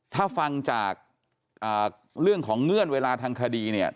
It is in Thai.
ถ้าฟังจากเรื่องของเงื่อนเวลาทางคดีเนี่ย